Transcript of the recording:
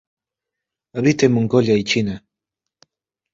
Habita en Mongolia y China.